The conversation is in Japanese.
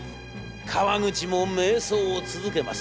川口も迷走を続けます。